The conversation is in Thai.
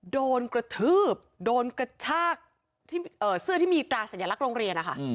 โดนกระทืบโดนกระชากที่เสื้อที่มีตราสัญลักษณ์โรงเรียนนะคะ